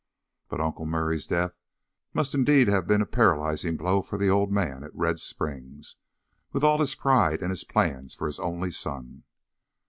But Uncle Murray's death must indeed have been a paralyzing blow for the old man at Red Springs, with all his pride and his plans for his only son.